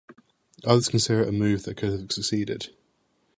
Others consider it a move that could have succeeded.